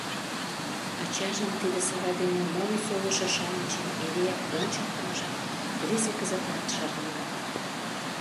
Ачажын тиде сава дене моло солышо-шамычым эреак ончылтымыжым рвезе кызытат шарна.